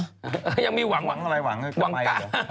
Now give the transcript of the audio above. หวังอะไรหวังพวกเรา๖๔ไม่ได้ทำไง